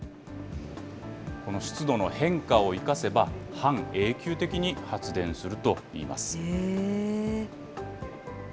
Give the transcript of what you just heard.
この湿度の変化を生かせば、半永久的に発電するといいます。